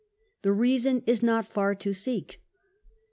The reason is not far to seek.